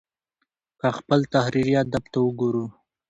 که خپل تحريري ادب ته وګورو